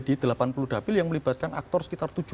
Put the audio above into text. di delapan puluh dapil yang melibatkan aktor sekitar